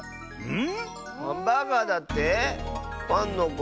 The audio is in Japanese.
ん？